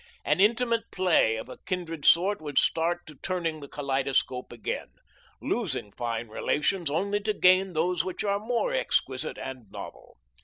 An Intimate Play of a kindred sort would start to turning the kaleidoscope again, losing fine relations only to gain those which are more exquisite and novel.